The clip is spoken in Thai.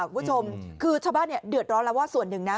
คุณผู้ชมคือชาวบ้านเนี่ยเดือดร้อนแล้วว่าส่วนหนึ่งนะ